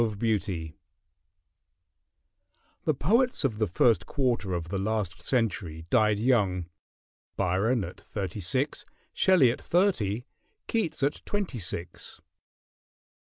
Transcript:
] The poets of the first quarter of the last century died young: Byron at thirty six, Shelley at thirty, Keats at twenty six.